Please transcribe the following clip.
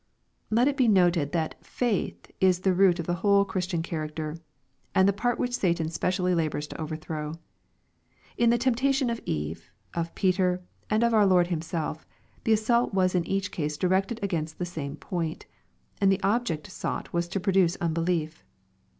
Let it be noted that " faith" is the root of the whole Christian character, and the part which Satan specially labors to overthrow. Li the temptation of Eve, of Peter, and of our Lord Himself the assault was in each case directed against the same point, and the object sought was to produce unbelief.